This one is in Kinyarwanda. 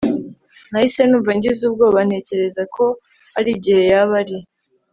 nahise numva ngize ubwoba ntekereza ko harigihe yaba ari